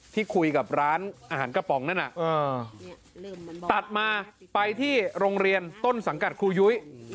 ที่คุยกับร้านอาหารกระป๋องนั่นน่ะตัดมาไปที่โรงเรียนต้นสังกัดครูยุ้ย